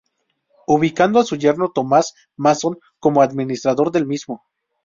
Ubicando a su yerno Tomás Mason, como administrador del mismo.